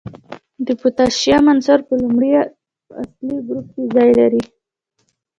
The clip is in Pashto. د پوتاشیم عنصر په لومړي اصلي ګروپ کې ځای لري.